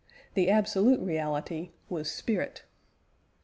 The absolute reality was spirit.